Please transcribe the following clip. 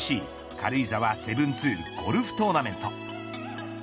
軽井沢７２ゴルフトーナメント。